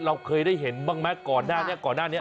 เราเคยได้เห็นบ้างมั้ยก่อนหน้านี้